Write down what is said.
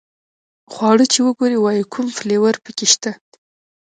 خواړه چې وګوري وایي کوم فلېور په کې شته.